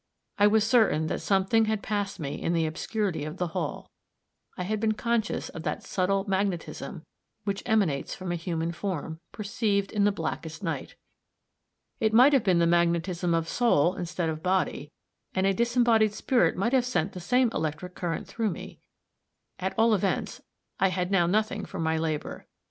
I was certain that something had passed me in the obscurity of the hall; I had been conscious of that subtle magnetism which emanates from a human form, perceived in the blackest night. It might be the magnetism of soul instead of body, and a disembodied spirit might have sent the same electric current through me. At all events, I had now nothing for my labor.